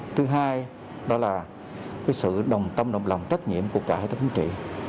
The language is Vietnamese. thứ hai đó là sự đồng tâm đồng lòng trách nhiệm của cả hệ thống chính trị